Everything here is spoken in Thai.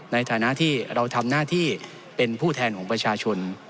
ในฐานะที่เราทำหน้าที่เป็นผู้แทนของประชาชน